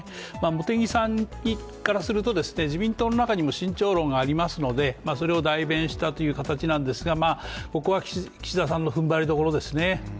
茂木さんからすると、自民党の中にも慎重論がありますので、それを代弁したという形なんですが、ここは岸田さんのふんばりどころですね。